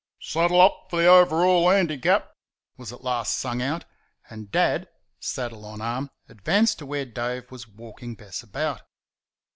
"Saddle up for the Overhaul Handicap!" was at last sung out, and Dad, saddle on arm, advanced to where Dave was walking Bess about.